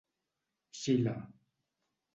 Xile.